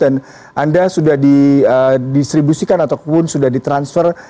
dan anda sudah didistribusikan ataupun sudah ditransfer